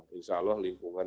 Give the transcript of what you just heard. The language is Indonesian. insya allah lingkungan